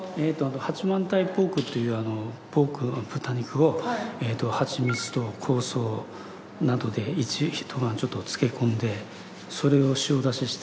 八幡平ポークという豚肉をはちみつと香草などで一晩ちょっと漬け込んでそれを塩出しした